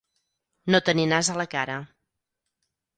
No tenir nas a la cara.